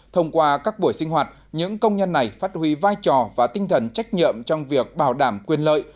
thông qua các buổi sinh hoạt những công nhân này phát huy vai trò và tinh thần trách nhiệm trong việc bảo đảm quyền lợi